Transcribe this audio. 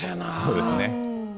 そうですね。